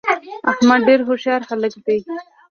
احمدډیرهوښیارهلک ده